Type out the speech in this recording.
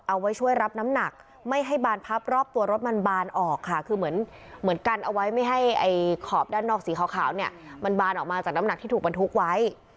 เอาไว้ช่วยรับน้ำหนักไม่ให้บานพับรอบตัวรถมันบานออกค่ะคือเหมือนเหมือนกันเอาไว้ไม่ให้ไอ้ขอบด้านนอกสีขาวเนี่ยมันบานออกมาจากน้ำหนักที่ถูกบรรทุกไว้